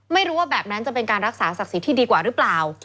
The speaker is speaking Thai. ไม่รู้ว่าแบบนั้นจะเป็นการรักษาศักดิ์สิทธิ์ที่ดีกว่าหรือเปล่า